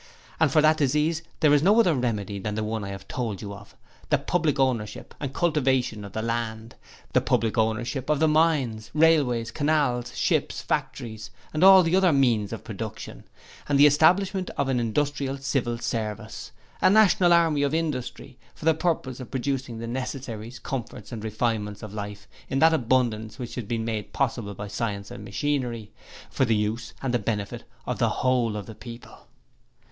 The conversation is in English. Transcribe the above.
And for that disease there is no other remedy than the one I have told you of the PUBLIC OWNERSHIP and cultivation of the land, the PUBLIC OWNERSHIP OF the mines, railways, canals, ships, factories and all the other means of production, and the establishment of an Industrial Civil Service a National Army of Industry for the purpose of producing the necessaries, comforts and refinements of life in that abundance which has been made possible by science and machinery for the use and benefit of THE WHOLE OF THE PEOPLE.'